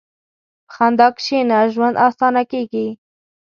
په خندا کښېنه، ژوند اسانه کېږي.